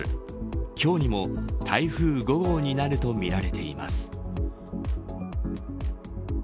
今日にも台風５号になるとみられています。